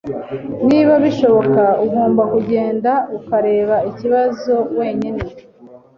Niba bishoboka, ugomba kugenda ukareba ikibazo wenyine.